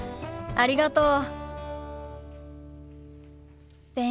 ありがとう。